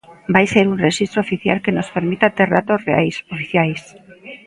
Vai ser un rexistro oficial que nos permita ter datos reais, oficiais.